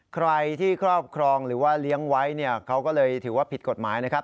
ใครที่ครอบครองหรือว่าเลี้ยงไว้เนี่ยเขาก็เลยถือว่าผิดกฎหมายนะครับ